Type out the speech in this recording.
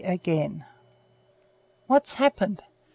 AGAIN "What's happened?